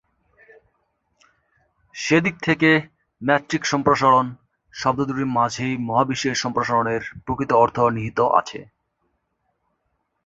সেদিক থেকে "মেট্রিক সম্প্রসারণ" শব্দ দুটির মাঝেই মহাবিশ্বের সম্প্রসারণের প্রকৃত অর্থ নিহিত আছে।